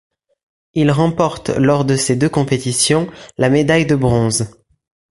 Il remporte, lors de ces deux compétitions, la médaille de bronze.